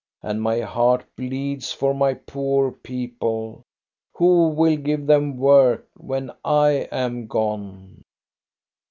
And my heart bleeds for my poor people. Who will give them work when I am gone